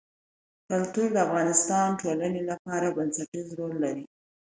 کلتور د افغانستان د ټولنې لپاره بنسټيز رول لري.